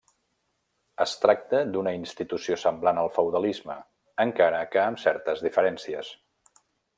Es tracta d'una institució semblant al feudalisme, encara que amb certes diferències.